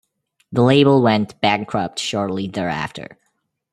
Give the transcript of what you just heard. The label went bankrupt shortly thereafter.